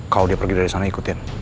kalau dia pergi dari sana ikutin